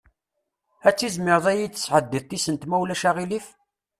Ad tizmireḍ ad iyi-d-tesɛeddiḍ tisent, ma ulac aɣilif?